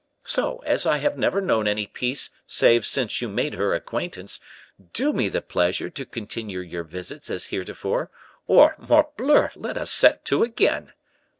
So, as I have never known any peace save since you made her acquaintance, do me the pleasure to continue your visits as heretofore, or morbleu! let us set to again.